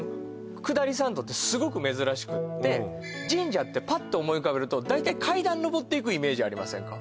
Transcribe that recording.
下り参道ってすごく珍しくって神社ってパッと思い浮かべると大体階段上っていくイメージありませんか？